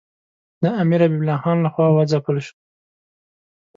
د امیر حبیب الله خان له خوا وځپل شو.